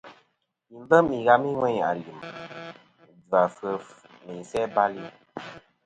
Yi lem ighami ŋweyn alim, jvafef nɨ isæ-bal-i.